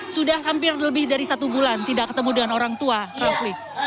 sudah hampir lebih dari satu bulan tidak ketemu dengan orang tua rafli